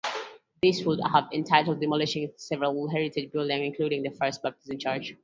This would have entailed demolishing several heritage buildings, including the First Baptist Church.